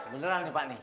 beneran pak nih